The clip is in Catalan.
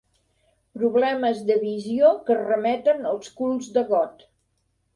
Problemes de visió que remeten als culs de got.